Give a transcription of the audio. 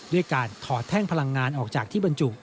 ด้วยการถอดแท่งพลังงานออกจากที่บรรจุ